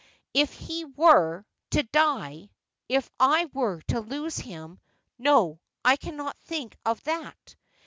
If he were — to die — if I were to lose him — no, I cannot think of that.